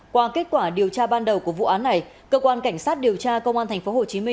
qua kết quả điều tra ban đầu của vụ án này cơ quan cảnh sát điều tra công an tp hcm